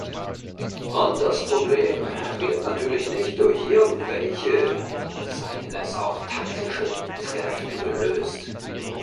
Und das Problem wird natürlich nicht durch irgendwelche, seien es auch taktische Treffen gelöst.